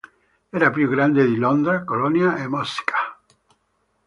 Era più grande di Londra, Colonia e Mosca.